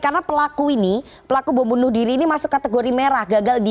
karena pelaku ini pelaku bom bunuh diri ini masuk kategori merah